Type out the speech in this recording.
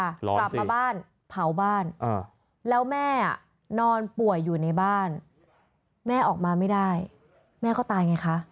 กลับมาบ้านเผาบ้านแล้วแม่นอนป่วยอยู่ในบ้านแม่ออกมาไม่ได้แม่ก็ตายไงคะ